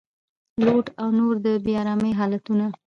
لوډ او نور د بې ارامۍ حالتونه